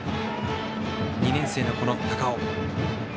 ２年生の高尾。